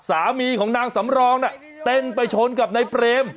สามีของนางสำรองเต้นไปชนกับนายเปรม